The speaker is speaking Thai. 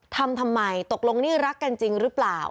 ทำไมตกลงนี่รักกันจริงหรือเปล่า